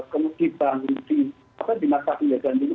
kemudian di masa pilihan dulu